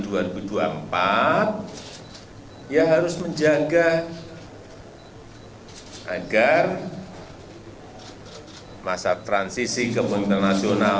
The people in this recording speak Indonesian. yang harus menjaga agar masa transisi kepemimpinan nasional